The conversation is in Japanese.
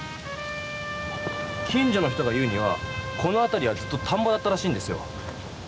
近所の人が言うにはこのあたりはずっと田んぼだったらしいんですよ。